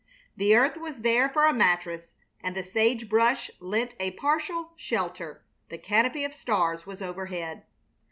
The earth was there for a mattress, and the sage brush lent a partial shelter, the canopy of stars was overhead.